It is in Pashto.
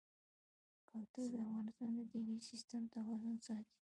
کلتور د افغانستان د طبعي سیسټم توازن ساتي.